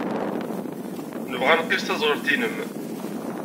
Nebɣa ad nqiss taẓɣelt-nnem.